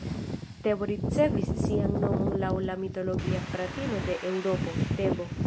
Tebo ricevis sian nomon laŭ la mitologia fratino de Eŭropo, Tebo.